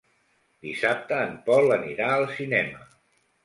Dissabte en Pol anirà al cinema.